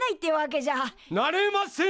なれません！